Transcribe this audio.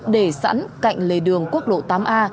để sẵn cạnh lề đường quốc lộ tám a